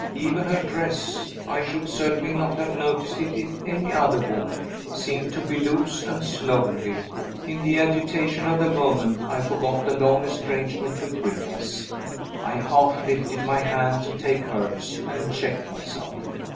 Even her dress I should certainly not have noticed it in any other woman seemed to be loose and slovenly. In the agitation of the moment, I forgot the long estrangement between us; I half lifted my hand to take hers, and checked myself.